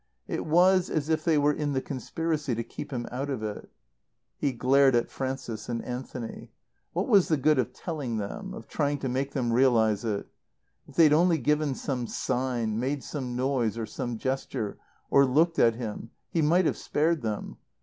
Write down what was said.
It was as if they were in the conspiracy to keep him out of it. He glared at Frances and Anthony. What was the good of telling them, of trying to make them realize it? If they'd only given some sign, made some noise or some gesture, or looked at him, he might have spared them.